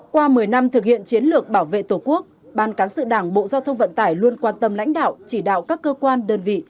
qua một mươi năm thực hiện chiến lược bảo vệ tổ quốc ban cán sự đảng bộ giao thông vận tải luôn quan tâm lãnh đạo chỉ đạo các cơ quan đơn vị